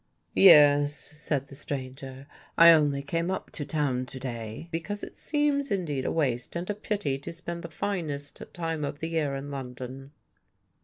"Yes," said the stranger, "I only came up to town to day, because it seems indeed a waste and a pity to spend the finest time of the year in London."